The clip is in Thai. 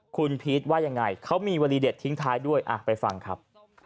คุณพีชว่ายังไงเขามีวลีเด็ดทิ้งท้ายด้วยไปฟังครับ